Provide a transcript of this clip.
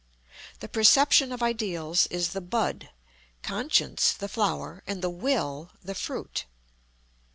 The perception of ideals is the bud, Conscience the flower, and the Will the fruit.